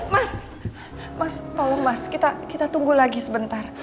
mas mas tolong mas kita tunggu lagi sebentar